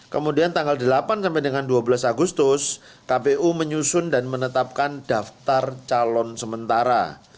kemudian tanggal delapan sampai dengan dua belas agustus kpu menyusun dan menetapkan daftar calon sementara